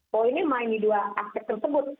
poinnya main di dua aspek tersebut